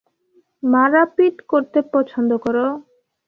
মারাপিট করতে পছন্দ করো।